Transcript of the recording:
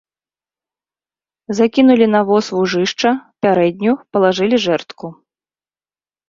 Закінулі на воз вужышча, пярэдню, палажылі жэрдку.